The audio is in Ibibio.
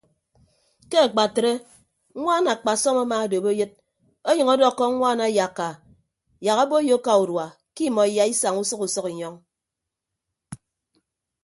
Ke akpatre ñwaan akpasọm amaadop eyịd ọnyʌñ ọdọkkọ ñwaan ayakka yak aboiyo aka urua ke imọ iyaisaña usʌk usʌk inyọñ.